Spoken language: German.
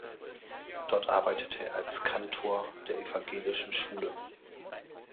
Dort arbeitete er als Kantor der evangelischen Schule.